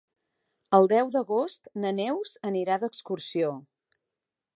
El deu d'agost na Neus anirà d'excursió.